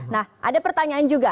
nah ada pertanyaan juga